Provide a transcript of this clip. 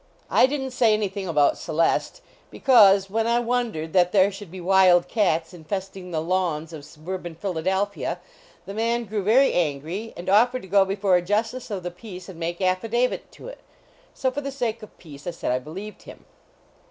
I didn t say anything about Celeste, because, when I wondered that there should be wild cats infesting the lawns of suburban Philadel phia, the man grew very angry and offered to go before a justice of the peace and make affidavit to it. So, for the sake of peace, I said I believed him.